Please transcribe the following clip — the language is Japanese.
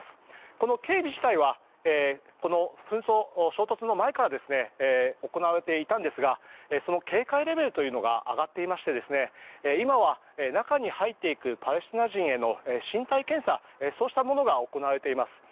この警備自体はこの紛争衝突の前から行われていたんですがその警戒レベルというのが上がっていまして今は中に入っていくパレスチナ人への身体検査そうしたものが行われています。